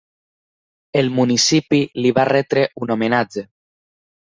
El municipi li va retre un homenatge.